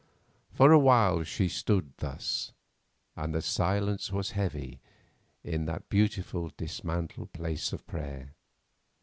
For a while she stood thus, and the silence was heavy in that beautiful, dismantled place of prayer.